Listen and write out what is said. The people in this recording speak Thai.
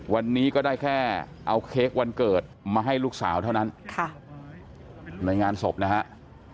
วันนี้ก็ได้แค่เอาเค้กวันเกิดมาให้ลูกสาวเท่านั้นในงานศพนะฮะ